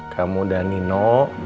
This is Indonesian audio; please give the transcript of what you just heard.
kamu dan nino